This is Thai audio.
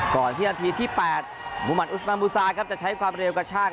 ก่อนที่นาทีที่๘มุมัติอุสมันบูซาครับจะใช้ความเร็วกระชาก